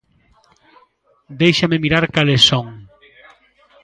Déixeme mirar cales son.